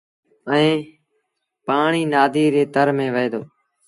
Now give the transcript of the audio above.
ائيٚݩ پآڻيٚ نآديٚ ري تر ميݩ وهي دو۔